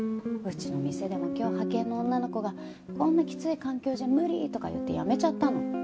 うちの店でも今日派遣の女の子が「こんなきつい環境じゃ無理！」とか言って辞めちゃったの。